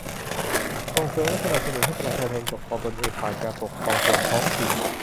ส่งเสริมและสนับสนุนให้ประชาชนปกครองตนเองผ่านการปกครองส่วนท้องถิ่น